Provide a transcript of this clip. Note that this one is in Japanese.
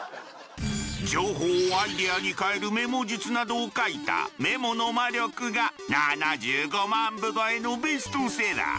情報をアイデアに変えるメモ術などを書いた「メモの魔力」が７５万部超えのベストセラー。